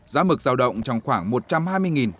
giá mực giao động trong khoảng một trăm hai mươi đồng